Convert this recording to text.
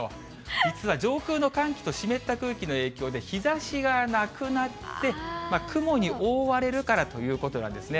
実は上空の寒気と湿った空気の影響で日ざしがなくなって、雲に覆われるからということなんですね。